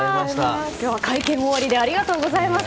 今日は会見終わりにありがとうございます。